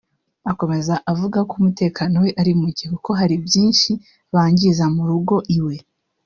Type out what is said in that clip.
Akomeza avuga ko umutekano we ari muke kuko hari byinshi bangiza mu rugo iwe